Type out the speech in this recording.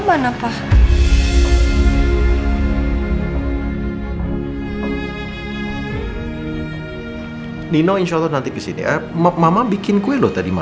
sampai jumpa di video selanjutnya